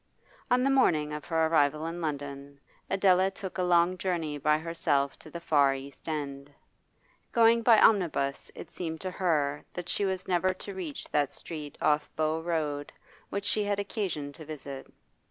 On the morning after her arrival in London Adela took a long journey by herself to the far East End. Going by omnibus it seemed to her that she was never to reach that street off Bow Road which she had occasion to visit.